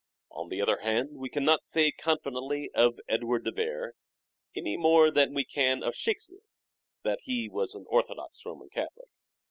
On the other hand we cannot say confidently of Edward de Vere, any more than we can of Shake speare, that he was an orthodox Roman Catholic.